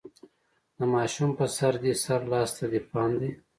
د ماشوم په سر، دې سره لاس ته دې پام دی؟